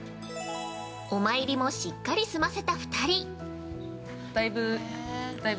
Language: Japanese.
◆お参りもしっかり済ませた２人。